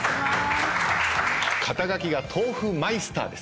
肩書が豆腐マイスターです。